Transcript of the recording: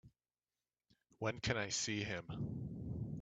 When can I see him?